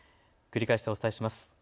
繰り返してお伝えします。